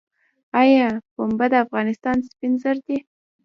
آیا پنبه د افغانستان سپین زر دي؟